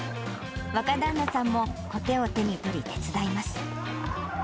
若旦那さんもこてを手に取り、手伝います。